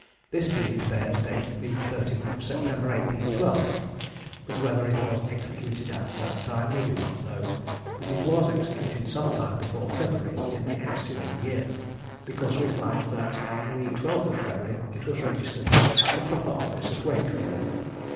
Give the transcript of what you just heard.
This deed bears date the 13th of September 1812; but whether it was executed at that time we do not know, but it was executed some time before February in the ensuing year, because we find that on the 12th February it was registered at the proper office at Wakefield.